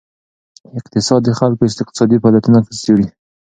اقتصاد د خلکو اقتصادي فعالیتونه څیړي.